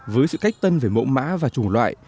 với sự cách tân về mẫu mã và chủng loại